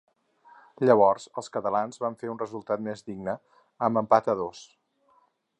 Llavors els catalans van fer un resultat més digne, amb empat a dos.